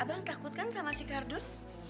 abang takut kan sama si kardun